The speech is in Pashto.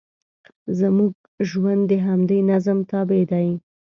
زموږ ژوند د همدې نظم تابع دی.